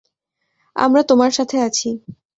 আমরা তোমার সাথে আছি!